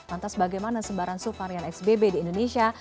lantas bagaimana sembaran subvarian xbb di indonesia